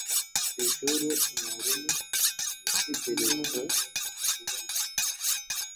Kwishure mwarimu yategerezwa kubona